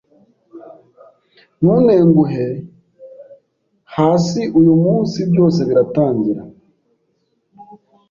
Ntuntenguhe hasiUyu munsi byose biratangira